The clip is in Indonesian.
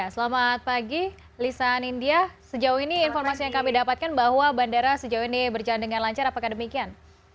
selamat pagi lisa nindya sejauh ini informasi yang kami dapatkan bahwa bandara sejauh ini berjalan dengan lancar apakah demikian